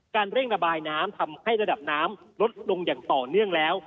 เร่งระบายน้ำทำให้ระดับน้ำลดลงอย่างต่อเนื่องแล้ว